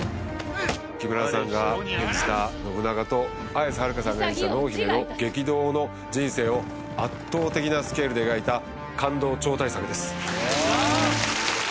木村さんが演じた信長と綾瀬はるかさんが演じた濃姫の激動の人生を圧倒的なスケールで描いた感動超大作です。